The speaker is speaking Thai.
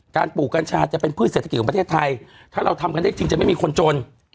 ปลูกกัญชาจะเป็นพืชเศรษฐกิจของประเทศไทยถ้าเราทำกันได้จริงจะไม่มีคนจน